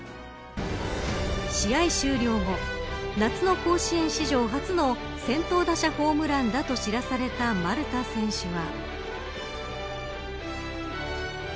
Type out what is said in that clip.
試合終了後、夏の甲子園史上初の先頭打者ホームランだと知らされた丸田選手は。